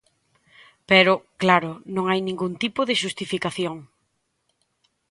Pero, claro, non hai ningún tipo de xustificación.